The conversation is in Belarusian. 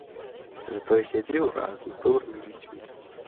Затое сядзеў разам з добрымі людзьмі.